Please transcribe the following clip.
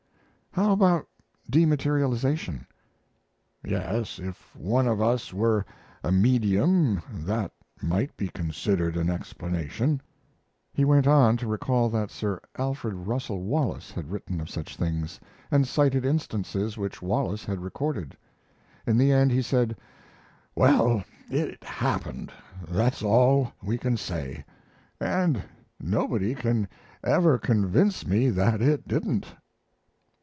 "How about dematerialization?" "Yes, if one of us were a medium that might be considered an explanation." He went on to recall that Sir Alfred Russel Wallace had written of such things, and cited instances which Wallace had recorded. In the end he said: "Well, it happened, that's all we can say, and nobody can ever convince me that it didn't."